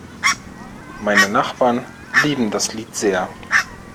Meine Nachbarn lieben das Lied sehr.